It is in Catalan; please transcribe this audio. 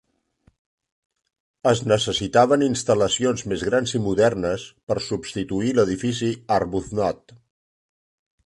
Es necessitaven instal·lacions més grans i modernes per substituir l'edifici Arbuthnot.